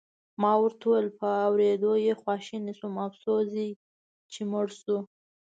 ما ورته وویل: په اورېدو یې خواشینی شوم، افسوس چې مړ شو.